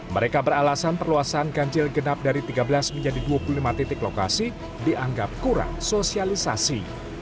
mereka beralasan perluasan ganjil genap dari tiga belas menjadi dua puluh lima titik lokasi dianggap kurang sosialisasi